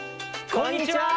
こんにちは！